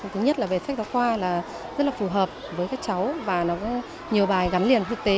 thứ nhất là về sách giáo khoa là rất là phù hợp với các cháu và nó có nhiều bài gắn liền thực tế